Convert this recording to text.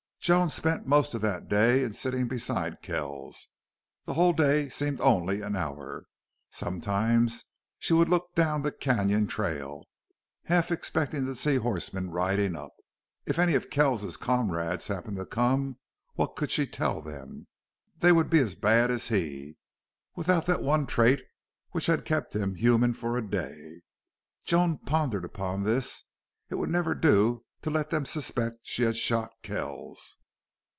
Joan spent most of that day in sitting beside Kells. The whole day seemed only an hour. Sometimes she would look down the canon trail, half expecting to see horsemen riding up. If any of Kells's comrades happened to come, what could she tell them? They would be as bad as he, without that one trait which had kept him human for a day. Joan pondered upon this. It would never do to let them suspect she had shot Kells.